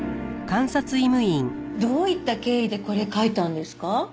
どういった経緯でこれ描いたんですか？